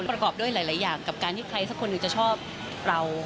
ประกอบด้วยหลายอย่างกับการที่ใครสักคนหนึ่งจะชอบเรา